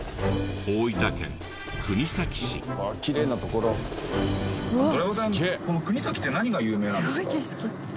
この国東って何が有名なんですか？